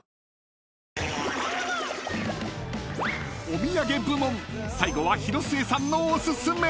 ［お土産部門最後は広末さんのお薦め］